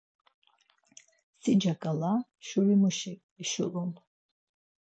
Sica ǩala şurimuşi eşulun